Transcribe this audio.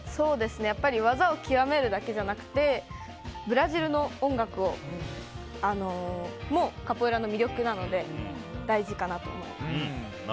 やっぱり技を極めるだけじゃなくてブラジルの音楽もカポエイラの魅力なので大事かなと思います。